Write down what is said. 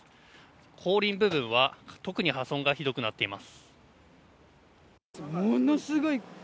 後輪部分は特に破損がひどくなっています。